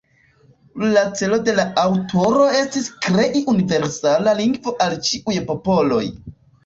La celo de la aŭtoro estis krei universala lingvo al ĉiuj popoloj.